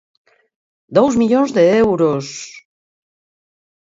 ¡Dous millóns de euros!